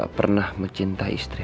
aku gak pernah mencintai istri